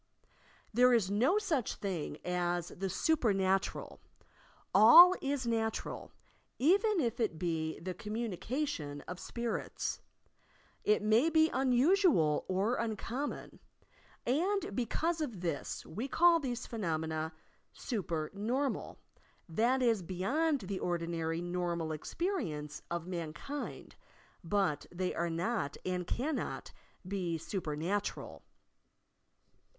There is no such thing as the "super natural." All is natural, even if it be the communica tion of spirits. It may be unusual or uncommon, and because of this we call these phenomena super normal, that is beyond the ordinary normal experience of man kind ; but they are not and cannot be super natural.